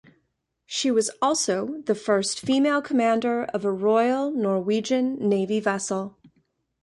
She was also the first female commander of a Royal Norwegian Navy vessel.